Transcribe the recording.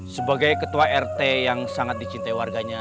sebagai ketua rt yang sangat dicintai warganya